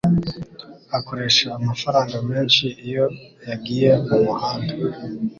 Akoresha amafaranga menshi iyo yagiye mumahanga.